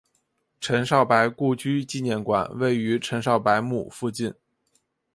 陈少白故居纪念馆位于陈少白墓附近。